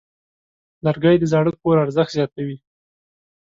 لرګی د زاړه کور ارزښت زیاتوي.